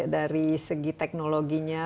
dari segi teknologinya